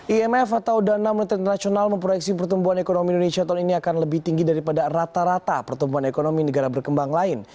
imf atau dana moneter internasional memproyeksi pertumbuhan ekonomi indonesia tahun ini akan lebih tinggi daripada rata rata pertumbuhan ekonomi negara berkembang lain